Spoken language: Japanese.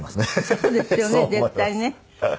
そうですよね絶対ね。